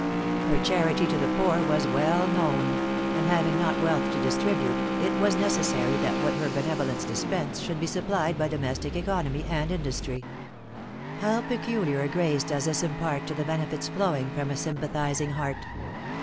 Her charity to the poor was well known; and having not wealth to distribute, it was necessary that what her benevolence dispensed should be supplied by domestic economy and industry. How peculiar a grace does this impart to the benefits flowing from a sympathizing heart!